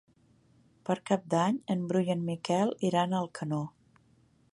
Per Cap d'Any en Bru i en Miquel iran a Alcanó.